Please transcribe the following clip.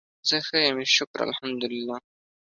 زه ښه یم شکر الحمدالله